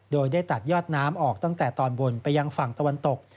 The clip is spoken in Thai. โดยได้ตัดยอดน้ำออกตั้งแต่ตอนบนไปยังฝั่งตะวันตก